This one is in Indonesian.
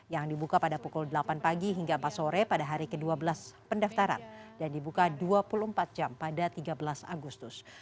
yang dibuka pada pukul delapan pagi hingga empat sore pada hari ke dua belas pendaftaran dan dibuka dua puluh empat jam pada tiga belas agustus